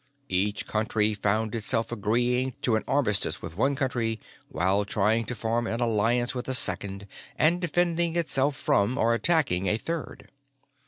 Each country found itself agreeing to an armistice with one country while trying to form an alliance with a second and defending itself from or attacking a third.